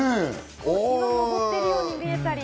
登ってるように見えたり。